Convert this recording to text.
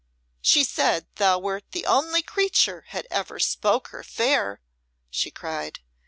"She said thou wert the only creature had ever spoke her fair," she cried.